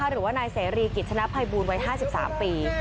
หรือว่านายเซรีกิตชนะไพบูนวัย๕๓ปี